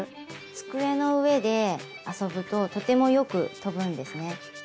机の上で遊ぶととてもよく飛ぶんですね。